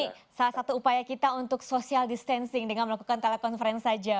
ini salah satu upaya kita untuk social distancing dengan melakukan telekonferensi saja